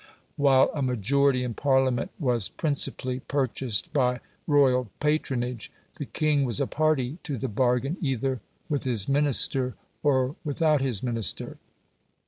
While a majority in Parliament was principally purchased by royal patronage, the king was a party to the bargain either with his Minister or without his Minister.